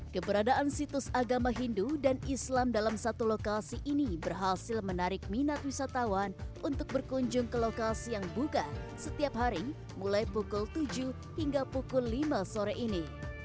keberadaan situs agama hindu dan islam dalam satu lokasi ini berhasil menarik minat wisatawan untuk berkunjung ke lokasi yang buka setiap hari mulai pukul tujuh hingga pukul lima sore ini